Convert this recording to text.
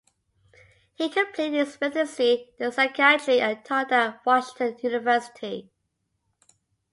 He completed his residency in psychiatry and taught at Washington University.